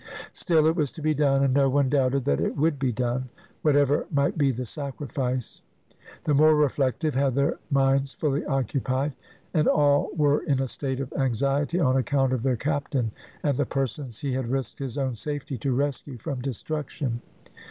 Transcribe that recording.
Still it was to be done, and no one doubted that it would be done, whatever might be the sacrifice. The more reflective had their minds fully occupied, and all were in a state of anxiety on account of their captain, and the persons he had risked his own safety to rescue from destruction.